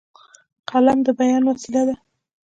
قلم د بیان وسیله ده.